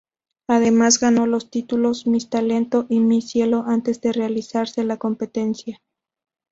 Además ganó los títulos "Miss Talento" y "Miss Cielo", antes de realizarse la competencia.